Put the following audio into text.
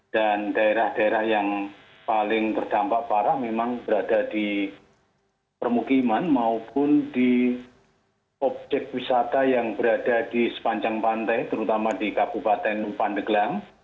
dan daerah daerah yang paling terdampak parah memang berada di permukiman maupun di objek wisata yang berada di sepanjang pantai terutama di kabupaten pandeglang